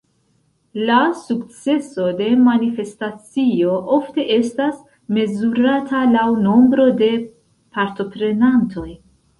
La sukceso de manifestacio ofte estas mezurata laŭ nombro de partoprenantoj.